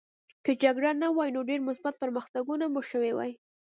که جګړه نه وای نو ډېر مثبت پرمختګونه به شوي وای